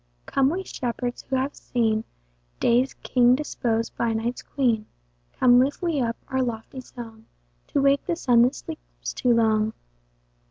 COME we shepherds who have seen Day's king deposed by Night's queen. Come lift we up our lofty song, To wake the Sun that sleeps too long.